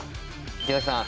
池崎さん。